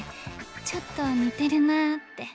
「ちょっと似てるなって・・」